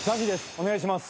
お願いします。